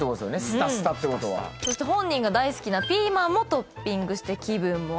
本人が大好きなピーマンもトッピングして気分もアップ。